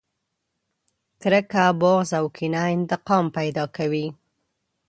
کرکه، بغض او کينه انتقام پیدا کوي.